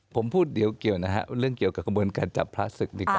ผมพูดเดี๋ยวเกี่ยวนะฮะเรื่องเกี่ยวกับกระบวนการจับพระศึกดีกว่า